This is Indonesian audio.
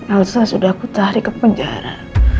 elsa sudah aku tarik ke penjara